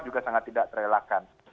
juga sangat tidak terelakkan